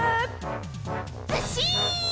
ずっしん！